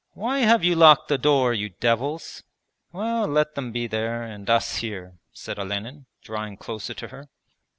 'Why have you locked the door, you devils?' 'Well, let them be there and us here,' said Olenin, drawing closer to her.